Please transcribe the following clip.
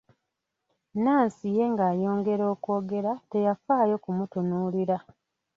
Nansi ye ng'ayongera okwogera teyafaayo kumutunuulira.